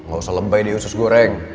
gausah lebay di usus goreng